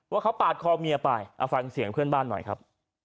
ว่าเขาปาดคอเมียไปเอาฟังเสียงเพื่อนบ้านหน่อยครับ